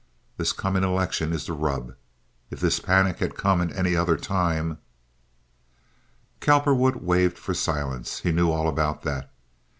This coming election is the rub. If this panic had come at any other time—" Cowperwood waved for silence. He knew all about that.